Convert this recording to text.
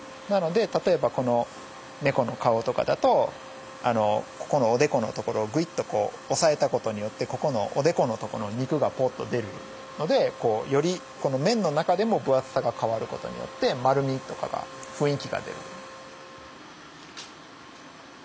なので例えばこの猫の顔とかだとここのおでこの所をグイッと押さえた事によってここのおでこのとこの肉がポッと出るのでよりこの面の中でも分厚さが変わる事によって丸みとかが雰囲気が出る。